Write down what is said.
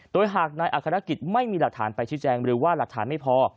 โดยหากนายอัครกิจไม่มีหลักฐานไปชี้แจงหรือว่าหลักฐานไม่พอ